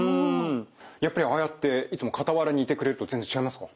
やっぱりああやっていつも傍らにいてくれると全然違いますか？